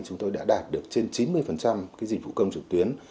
chúng tôi đã đạt được trên chín mươi dịch vụ công trực tuyến